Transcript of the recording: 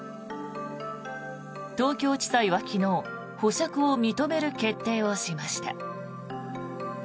東京地裁は昨日保釈を認める決定をしました。